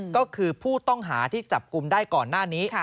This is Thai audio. ก็คือผู้ต้องหาที่จับกลุ่มได้ก่อนหน้านี้